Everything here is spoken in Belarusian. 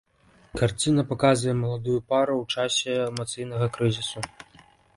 Карціна паказвае маладую пару ў часе эмацыйнага крызісу.